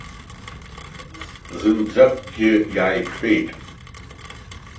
Ус зынӡакгьы иааиқәтәеит.